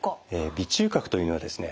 鼻中隔というのはですね